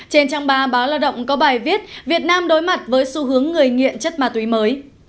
trên trang ba báo lao động có bài viết việt nam đối mặt với xu hướng người nghiện chất ma túy mới